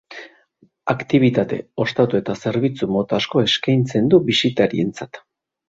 Aktibitate, ostatu eta zerbitzu mota asko eskaintzen du bisitarientzat.